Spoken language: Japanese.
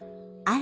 あ？